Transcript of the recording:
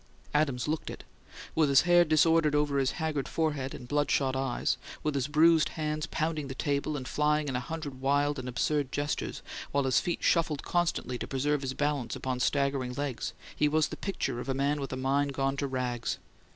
Adams looked it. With his hair disordered over his haggard forehead and bloodshot eyes; with his bruised hands pounding the table and flying in a hundred wild and absurd gestures, while his feet shuffled constantly to preserve his balance upon staggering legs, he was the picture of a man with a mind gone to rags.